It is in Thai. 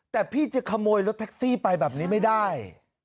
แต่พี่จะขโมยรถแท็กซี่ไปแบบนี้ไม่ได้